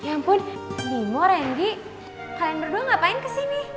eh ya ampun bingung randy kalian berdua ngapain kesini